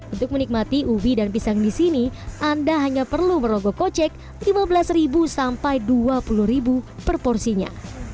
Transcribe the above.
untuk menikmati ubi dan pisang di sini anda hanya perlu merogoh kocek rp lima belas sampai rp dua puluh per porsinya